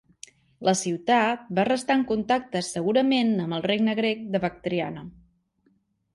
La ciutat va restar en contacte segurament amb el Regne Grec de Bactriana.